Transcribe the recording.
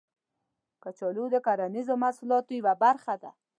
کچالو د کرنیزو محصولاتو یوه برخه ده